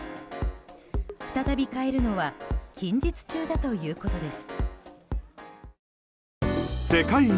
再び買えるのは近日中だということです。